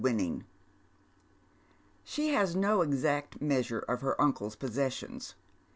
inning. She has no exact measure of her uncle's possessions.